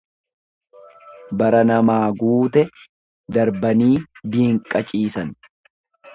Bara namaa guute darbanii diinqa ciisan.